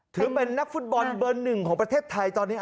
ถือเป็นนักฟุตบอลเบอร์หนึ่งของประเทศไทยตอนนี้